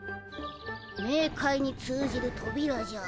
メーカイに通じるとびらじゃ。